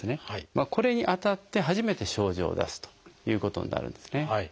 これに当たって初めて症状を出すということになるんですね。